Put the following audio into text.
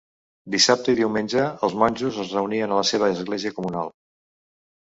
Dissabte i diumenge, els monjos es reunien a la seva església comunal.